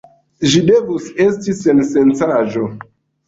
Ĝi devus esti sensencaĵo.